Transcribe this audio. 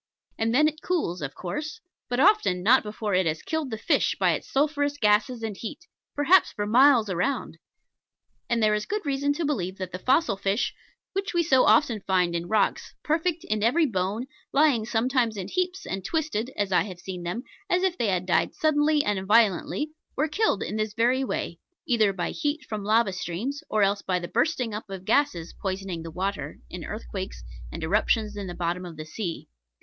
And then it cools, of course; but often not before it has killed the fish by its sulphurous gases and heat, perhaps for miles around. And there is good reason to believe that the fossil fish which we so often find in rocks, perfect in every bone, lying sometimes in heaps, and twisted (as I have seen them) as if they had died suddenly and violently, were killed in this very way, either by heat from lava streams, or else by the bursting up of gases poisoning the water, in earthquakes and eruptions in the bottom of the sea.